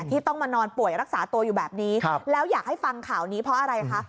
ที่ต้องมานอนป่วยรักษาตัวอยู่แบบนี้แล้วอยากให้ฟังข่าวนี้เพราะอะไรคะ